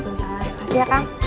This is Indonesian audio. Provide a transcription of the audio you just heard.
terima kasih ya kank